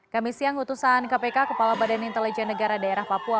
komisi yang ngutusan kpk kepala badan intelijen negara daerah papua